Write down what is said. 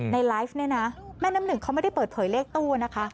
ไลฟ์เนี่ยนะแม่น้ำหนึ่งเขาไม่ได้เปิดเผยเลขตู้นะคะ